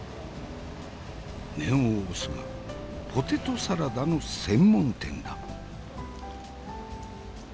念を押すがポテトサラダの専門店だ。